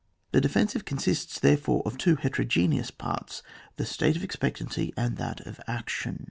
The defensive consists, therefore, of two heterogeneous parts, the state of ex peistancy and that of action.